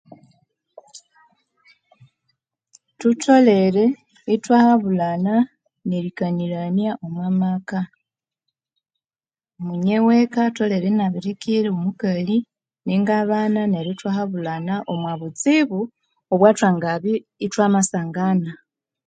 Thutholere ithwa habulhana nerikanirania omumaka. Munye weka atholere inyabirikira omukali ninga abana neryo ithwa habulhana omu butsibu obwa ithwangabya ithwa masangana